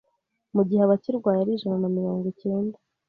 mu gihe abakirwaye ari ijana na mirongo icyenda